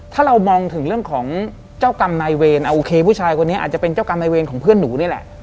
ถ้าเรามองถึงเรื่องของเจ้ากรรมนายเวรโอเคผู้ชายคนนี้อาจจะเป็นเจ้ากรรมนายเวรของเพื่อนหนูนี่แหละ